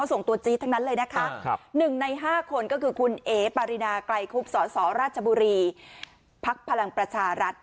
ส่งตัวจี๊ดทั้งนั้นเลยนะคะ๑ใน๕คนก็คือคุณเอ๋ปารินาไกลคุบสสราชบุรีภักดิ์พลังประชารัฐ